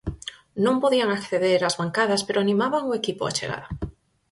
Non podían acceder ás bancadas pero animaban o equipo á chegada.